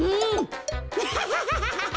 アハハハ！